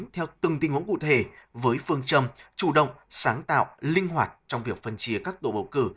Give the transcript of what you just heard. theo từng tình huống cụ thể với phương châm chủ động sáng tạo linh hoạt trong việc phân chia các tổ bầu cử